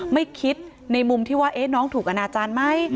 ไม่คิดในมุมที่ว่าน้องถูกอนาจารย์ไหม